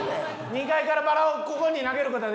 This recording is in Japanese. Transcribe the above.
２階からバラをここに投げる事はできるか？